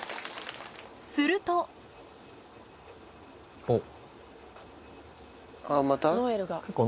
するとおっ。